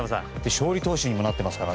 勝利投手にもなってますから。